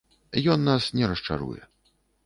Ён нас не расчаруе.